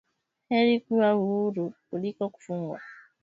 Heri kuwa huuru kuliko kufungwa